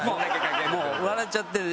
もう笑っちゃってる。